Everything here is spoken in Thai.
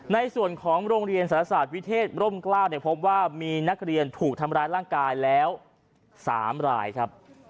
ในส่วนของโรงเรียนสารศาสตร์วิเทศร่มกล้าวพบว่ามีนักเรียนถูกทำร้ายร่างกายแล้ว๓รายครับ